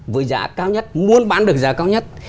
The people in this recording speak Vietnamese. với giá cao nhất muốn bán được giá cao nhất